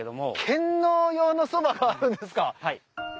献納用のそばがあるんですか？